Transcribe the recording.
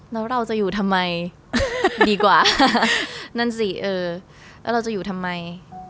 แล้วเราจะอยู่ทำไมดีกว่านั่นสิเออแล้วเราจะอยู่ทำไม